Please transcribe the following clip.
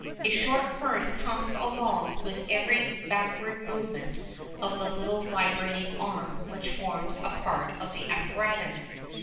A short current comes along with every backward movement of the little vibrating arm which forms a part of the apparatus.